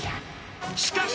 しかし！